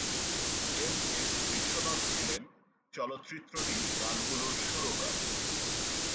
M S Viswanath ছিলেন চলচ্চিত্রটির গানগুলোর সুরকার।